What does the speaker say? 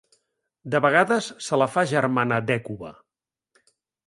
De vegades se la fa germana d'Hècuba.